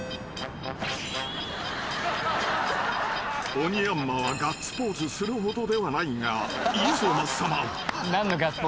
［オニヤンマはガッツポーズするほどではないがいいぞマッサマン］